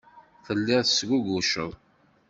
Telliḍ tesguguceḍ.